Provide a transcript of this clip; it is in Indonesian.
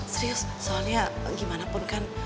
serius soalnya gimana pun kan